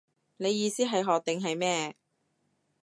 你意思係學定係咩